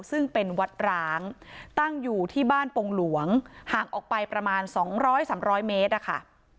ซึ่งเป็นวัดร้างตั้งอยู่ที่บ้านปงหลวงห่างออกไปประมาณ๒๐๐๓๐๐เมตรนะคะ